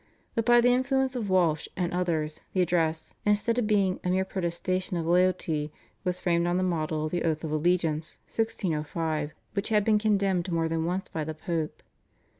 but by the influence of Walsh and others the address, instead of being a mere protestation of loyalty, was framed on the model of the Oath of Allegiance (1605), which had been condemned more than once by the Pope.